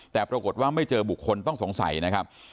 แต่ปรากฏว่าไม่เจอบุคคลต้องสงสัยนะครับ